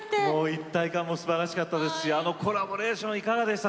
一体感もすばらしかったですしコラボレーションいかがでした？